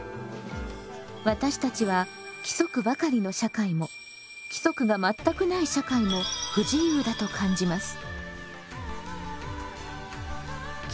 私たちは規則ばかりの社会も規則が全くない社会も不自由だと感じます。